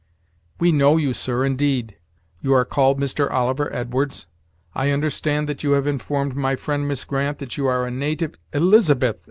"We know you, sir, indeed; you are called Mr. Oliver Edwards. I understand that you have informed my friend Miss Grant that you are a native " "Elizabeth!"